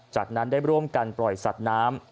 จากนั้นได้ร่วมกันปล่อยสัตว์น้ำ